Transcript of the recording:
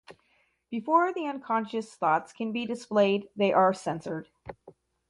Before the unconscious thoughts can be displayed they are censored.